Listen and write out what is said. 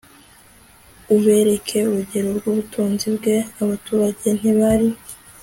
ubereke urugero rw'ubutunzi bwe. abaturage ntibari